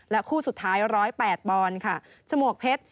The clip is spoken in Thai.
ส่วนคู่ที่๘ปอนค่ะชมวกเพชร